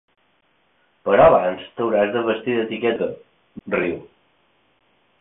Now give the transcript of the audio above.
Però abans t'hauràs de vestir d'etiqueta —riu.